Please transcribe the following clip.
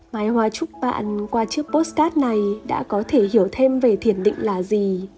máy hóa chúc bạn qua chiếc postcard này đã có thể hiểu thêm về thiền định là gì